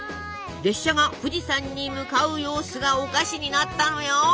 列車が富士山に向かう様子がお菓子になったのよ！